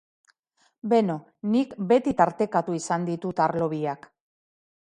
Beno, nik beti tartekatu izan ditut arlo biak.